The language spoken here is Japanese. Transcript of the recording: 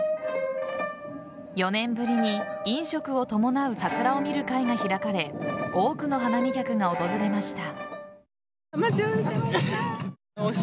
４年ぶりに飲食を伴う桜を見る会が開かれ多くの花見客が訪れました。